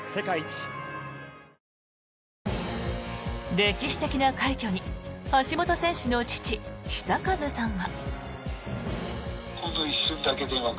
歴史的な快挙に橋本選手の父・久一さんは。